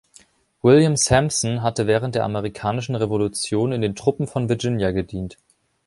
William Sampson hatte während der Amerikanischen Revolution in den Truppen von Virginia gedient.